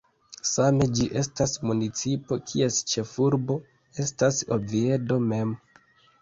Same ĝi estas municipo kies ĉefurbo estas Oviedo mem.